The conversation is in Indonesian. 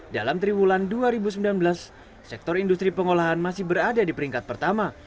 dalam triwulan dua ribu sembilan belas sektor industri pengolahan masih berada di peringkat pertama